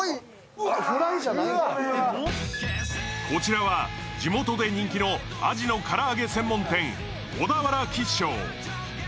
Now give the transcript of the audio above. こちらは地元で人気のあじの唐揚げ専門店、小田原吉匠。